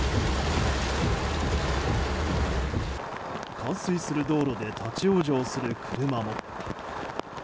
冠水する道路で立ち往生する車も。